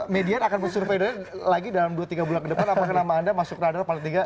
media akan men survey lagi dalam dua tiga bulan ke depan apa ke nama anda masuk radar paling tiga